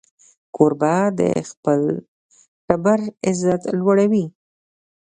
کوربه د خپل ټبر عزت لوړوي.